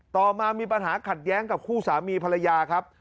ต่อมามีปัญหาขัดแย้งกับคู่สามีภรรยาครับ